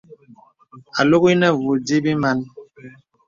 Ālok inə və ódǐbī mān.